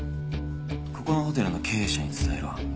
ここのホテルの経営者に伝えろ。